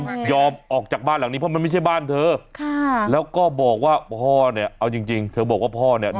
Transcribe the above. เพราะมันไม่ใช่บ้านเธอค่ะแล้วก็บอกว่าพอเนี้ยเอาจริงจริงเธอบอกว่าพอเนี้ย